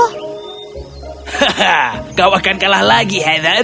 hahaha kau akan kalah lagi heather